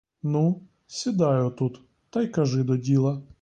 Ну, сідай отут та й кажи до діла!